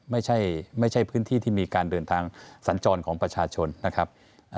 ไม่ใช่ไม่ใช่พื้นที่ที่มีการเดินทางสัญจรของประชาชนนะครับ